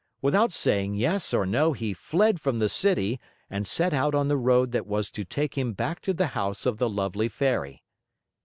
Without saying yes or no, he fled from the city and set out on the road that was to take him back to the house of the lovely Fairy.